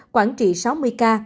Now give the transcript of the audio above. quảng trị sáu mươi ca